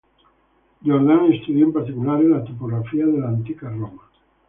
Jordan studiò in particolare la topografia dell'antica Roma.